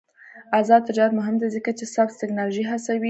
آزاد تجارت مهم دی ځکه چې سبز تکنالوژي هڅوي.